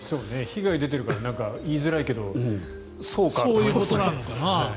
被害が出ているから言いづらいけどそういうことなのかな。